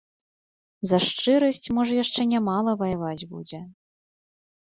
За шчырасць можа яшчэ не мала ваяваць будзе.